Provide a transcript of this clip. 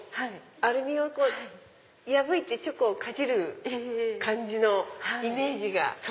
アルミを破いてチョコをかじる感じのイメージが。